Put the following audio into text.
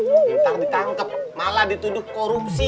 entar ditangkep malah dituduh korupsi